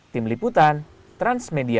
tim liputan transmedia